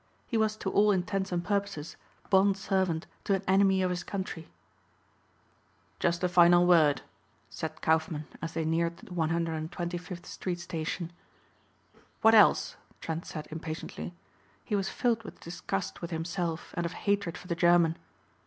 He was to all intents and purposes bond servant to an enemy of his country. "Just a final word," said Kaufmann as they neared the 125th street station. "What else?" Trent said impatiently. He was filled with disgust with himself and of hatred for the German.